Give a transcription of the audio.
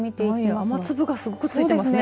雨粒が、すごくついていますね。